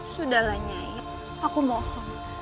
sudahlah nyai aku mohon